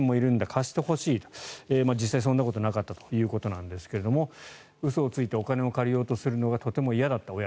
貸してほしいと実際、そんなことはなかったということですが親が嘘をついてお金を借りようとするのがとても嫌だった。